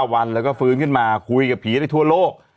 วันแล้วก็ฟื้นขึ้นมาคุยกับผีได้ทั่วโลก